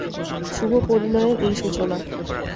শুভপরিণয়ের এই সূচনা।